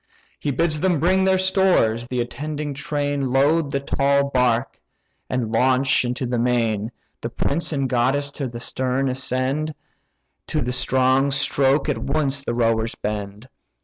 He bids them bring their stores; the attending train Load the tall bark, and launch into the main, The prince and goddess to the stern ascend; To the strong stroke at once the rowers bend.